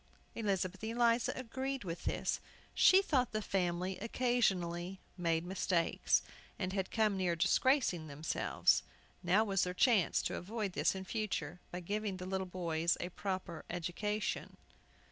Elizabeth Eliza agreed with this. She thought the family occasionally made mistakes, and had come near disgracing themselves. Now was their chance to avoid this in future by giving the little boys a proper education.